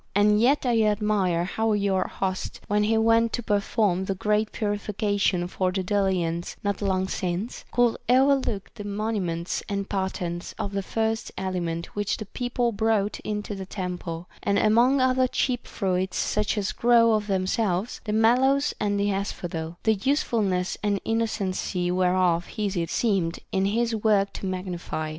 And yet I admire how your host, when he went to perform the great purification for the Delians not long since, could overlook the monuments and patterns of the first aliment which the people brought into the tem ple, — and, among other cheap fruits such as grow of them selves, the mallows and the asphodel ; the usefulness and innocency whereof Hesiod seemed in his work to magnify.